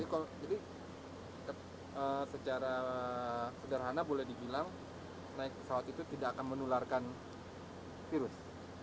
jadi secara sederhana boleh dibilang naik pesawat itu tidak akan menularkan virus